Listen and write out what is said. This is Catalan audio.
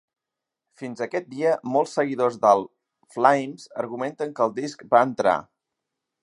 Fins aquest dia, molts seguidors del Flames argumenten que el disc va entrar.